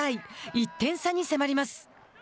１点差に迫ります。